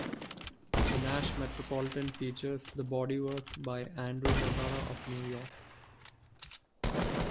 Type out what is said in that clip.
The Nash Metropolitan features the body work by Andrew Mazzara of New York.